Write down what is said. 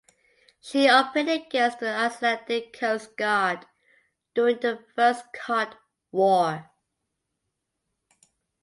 She operated against the Icelandic Coast Guard during the First Cod War.